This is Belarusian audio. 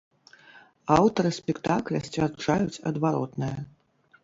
Аўтары спектакля сцвярджаюць адваротнае.